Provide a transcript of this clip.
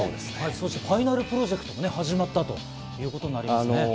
そしてファイナル・プロジェクトも始まったということですね。